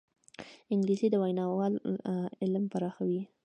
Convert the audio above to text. انګلیسي د ویناوال علم پراخوي